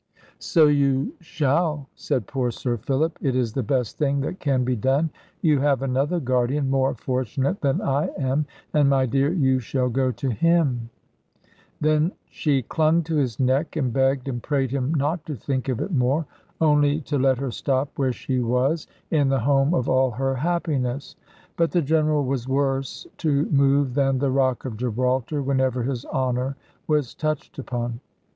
"So you shall," said poor Sir Philip; "it is the best thing that can be done. You have another guardian, more fortunate than I am; and, my dear, you shall go to him." Then she clung to his neck, and begged and prayed him not to think of it more, only to let her stop where she was, in the home of all her happiness. But the General was worse to move than the rock of Gibraltar, whenever his honour was touched upon.